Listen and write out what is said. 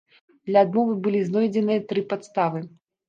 Для адмовы былі знойдзеныя тры падставы.